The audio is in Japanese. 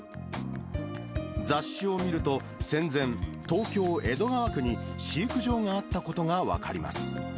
雑誌を見ると、戦前、東京・江戸川区に飼育場があったことが分かります。